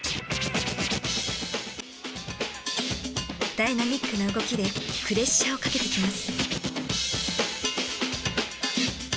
ダイナミックな動きでプレッシャーをかけてきます。